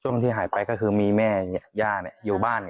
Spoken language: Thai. ที่หายไปก็คือมีแม่ย่าอยู่บ้าน